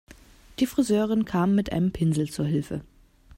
Die Friseurin kam mit einem Pinsel zu Hilfe.